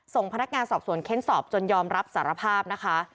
ส่งพนักงานสอบสวนเค้นสอบจนยอมรับสารภาพนะคะ